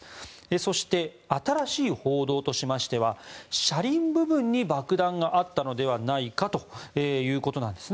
そして、新しい報道としては車輪部分に爆弾があったのではないかということです。